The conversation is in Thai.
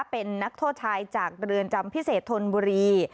เป็นนักโทษชายจากเรือนจำพิเศษธนบุรี